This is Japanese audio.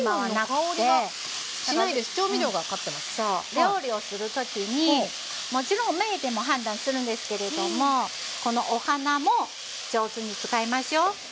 料理をする時にもちろん目でも判断するんですけれどもこのお鼻も上手に使いましょう。